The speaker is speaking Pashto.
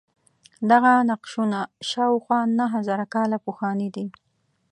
دغه نقشونه شاوخوا نهه زره کاله پخواني دي.